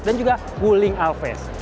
dan juga bulling alves